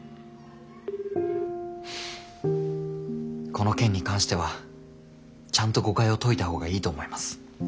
☎この件に関してはちゃんと誤解を解いたほうがいいと思います。